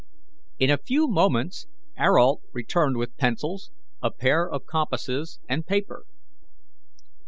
In a few moments Ayrault returned with pencils, a pair of compasses, and paper.